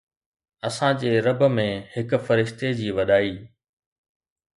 اسان جي رب ۾ هڪ فرشتي جي وڏائي